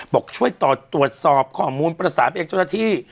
บอกช่วยตัวตรวจสอบข้อมูลประสาทเอกจัชนาที่